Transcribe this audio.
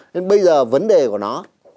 nên bây giờ vấn đề của nó